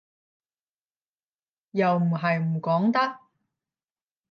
又唔係唔講得